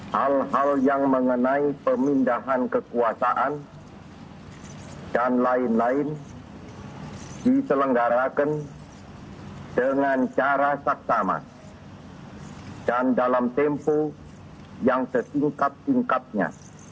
hal hal yang mengenai pemindahan kekuasaan dan lain lain diselenggarakan dengan cara saksama dan dalam tempo yang setingkat tingkatnya